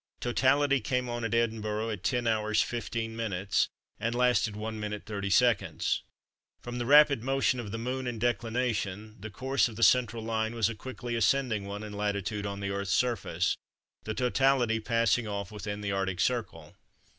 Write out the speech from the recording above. Totality came on at Edinburgh at 10h. 15m. and lasted 1m. 30s. From the rapid motion of the Moon in declination, the course of the central line was a quickly ascending one in latitude on the Earth's surface, the totality passing off within the Arctic circle.